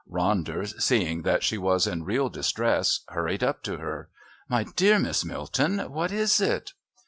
Ronder, seeing that she was in real distress, hurried up to her. "My dear Miss Milton, what is it?"